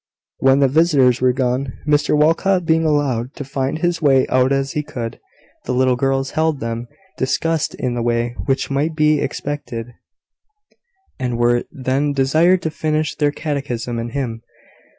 When the visitors were gone, Mr Walcot being allowed to find his way out as he could, the little girls heard them discussed in the way which might be expected, and were then desired to finish their catechism and hymn.